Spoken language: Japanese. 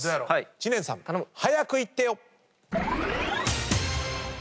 知念さん早くイッてよ！